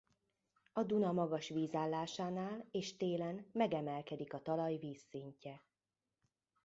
A Duna magas vízállásánál és télen megemelkedik a talaj vízszintje.